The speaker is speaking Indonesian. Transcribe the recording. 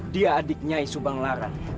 dia adik nyai subang larang